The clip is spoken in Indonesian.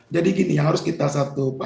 jadi gini yang harus kita satu